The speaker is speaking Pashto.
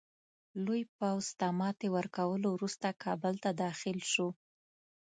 لوی پوځ ته ماتي ورکولو وروسته کابل ته داخل شو.